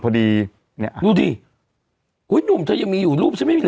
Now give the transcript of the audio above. พอดีเนี่ยรู้ดิ